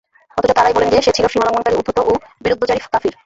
অথচ তারাই বলেন যে, সে ছিল সীমালংঘনকারী, উদ্ধত ও বিরুদ্ধাচারী কাফির।